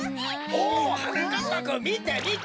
おおはなかっぱくんみてみて！